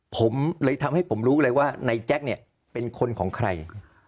ผมเลยทำให้ผมรู้เลยว่านายแจ๊คเนี่ยเป็นคนของใคร